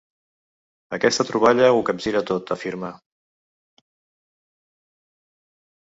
Aquesta troballa ho capgira tot, afirma.